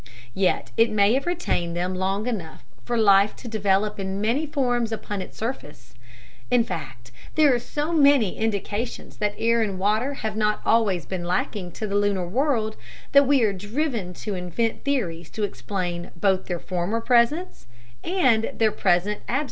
Yet it may have retained them long enough for life to develop in many forms upon its surface; in fact, there are so many indications that air and water have not always been lacking to the lunar world that we are driven to invent theories to explain both their former presence and their present absence.